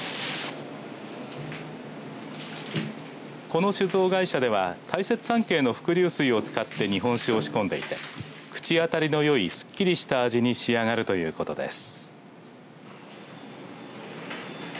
この酒造会社では大雪山系の伏流水を使って日本酒を仕込んでいて口当たりのよいすっきりした味に仕上がるということです。